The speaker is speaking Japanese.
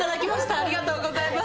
ありがとうございます。